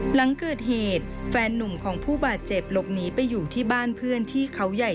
หลังเกิดเหตุแฟนนุ่มของผู้บาดเจ็บหลบหนีไปอยู่ที่บ้านเพื่อนที่เขาใหญ่